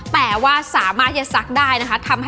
แต่ว่าสามารถจะซักได้นะคะ